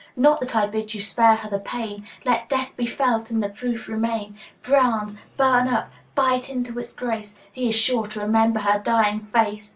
Not that I bid you spare her the pain; Let death be felt and the proof remain: Brand, burn up, bite into its grace He is sure to remember her dying face!